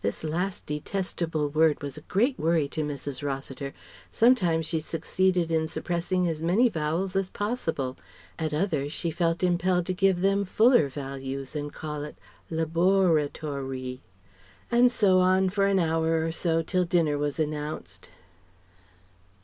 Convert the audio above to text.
(This last detestable word was a great worry to Mrs. Rossiter. Sometimes she succeeded in suppressing as many vowels as possible; at others she felt impelled to give them fuller values and call it "labóratorry.") And so on, for an hour or so till dinner was announced.